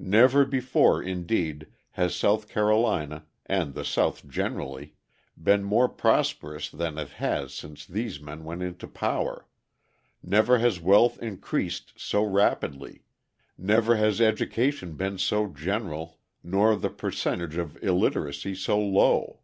Never before, indeed, has South Carolina, and the South generally, been more prosperous than it has since these men went into power, never has wealth increased so rapidly, never has education been so general nor the percentage of illiteracy so low.